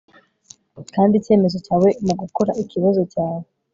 kandi icyemezo cyawe mugukora ikibazo cyawe